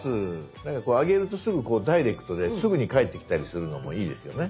なんかこうあげるとすぐこうダイレクトですぐに返ってきたりするのもいいですよね。